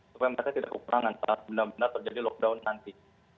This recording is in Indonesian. supaya mereka tidak kekurangan saat benar benar terjadi lockdown nanti